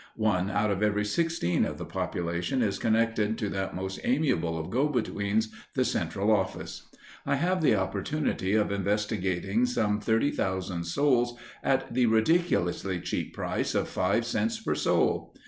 One out of every sixteen of the population is connected to that most amiable of go betweens, the Central Office. I have the opportunity of investigating some thirty thousand souls at the ridiculously cheap price of five cents per soul!